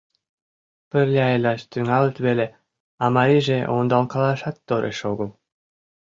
Пырля илаш тӱҥалыт веле, а марийже ондалкалашат тореш огыл.